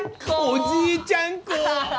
おじいちゃん子！